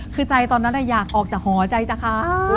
คือใจตอนนั้นอยากออกจากหอใจจะค้า